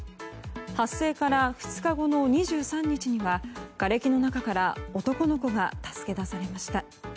発生から２日後の２３日にはがれきの中から男の子が助け出されました。